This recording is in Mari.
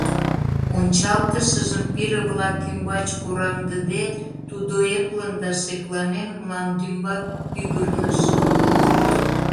Ончалтышыжым пире-влак ӱмбач кораҥдыде, тудо эплын да шекланен мландӱмбак пӱгырныш.